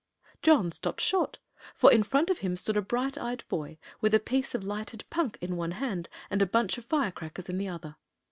John stopped short, for in front of him stood a bright eyed boy with a piece of lighted punk in one hand and a bunch of firecrackers in the other.